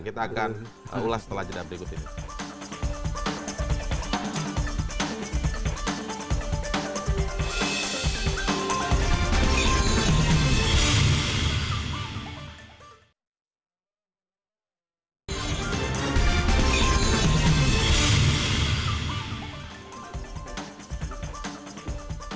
kita akan ulas setelah jadwal berikut ini